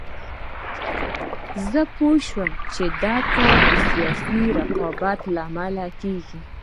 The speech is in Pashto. زه پوه شوم چې دا کار سیاسي رقابت له امله کېږي.